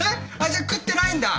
じゃあ食ってないんだ？